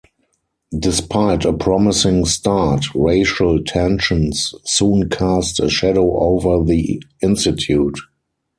Despite a promising start, racial tensions soon cast a shadow over the Institute.